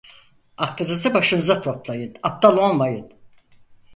Aklınızı başınıza toplayın, aptal olmayın.